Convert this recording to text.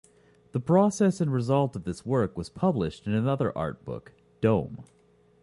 The process and result of this work was published in another art book, "Dome".